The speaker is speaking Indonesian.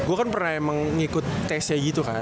gue kan pernah emang ngikut testnya gitu kan